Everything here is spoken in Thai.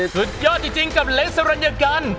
สุดยอดจริงกับเล็กสรัญญกัน